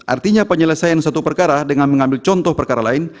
artinya penyelesaian satu perkara dengan mengambil contoh perkara lain